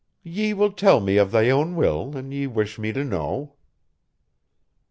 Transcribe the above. "Ye will tell me of thy own will an ye wish me to know."